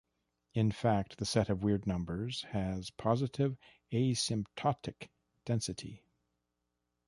In fact, the set of weird numbers has positive asymptotic density.